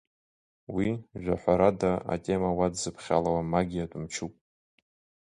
Уи, жәаҳәарада атема уадзыԥхьалауа магиатә мчуп.